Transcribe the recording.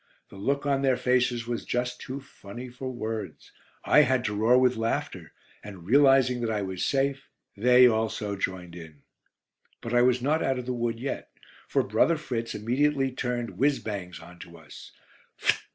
The look on their faces was just too funny for words; I had to roar with laughter, and, realising that I was safe, they also joined in. But I was not out of the wood yet, for brother Fritz immediately turned "whizz bangs" on to us.